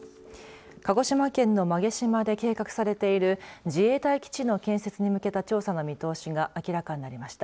鹿児島県の馬毛島で計画されている自衛隊基地の建設に向けた調査の見通しが明らかになりました。